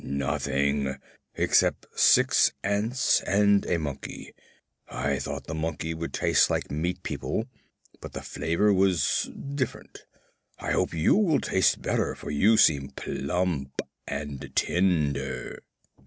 "Nothing except six ants and a monkey. I thought the monkey would taste like meat people, but the flavor was different. I hope you will taste better, for you seem plump and tender."